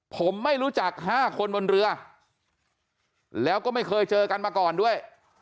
ผมไม่รู้จัก๕คนบนเรือแล้วก็ไม่เคยเจอกันมาก่อนด้วย